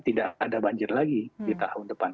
tidak ada banjir lagi di tahun depan